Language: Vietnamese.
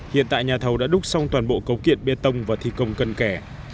hiện tại nhà thầu đã đúc xong toàn bộ cấu kiện bê tông và thi công cân kẻ